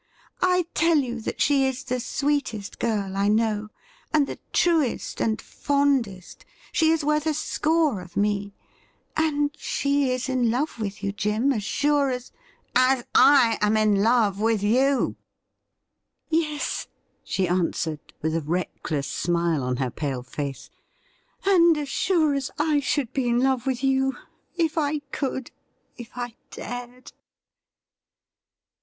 I tell you that she is the sweetest girl I know, and the truest and fondest — she is worth a score of me — and she is in love with you, Jim, as sure as ''' As I am in love with you !' 110 THE RIDDLE RING ' Yes,' she answered, with a reckless smile on her pale face ;' and as sm e as I should be in love with you — if I could — if I dared.'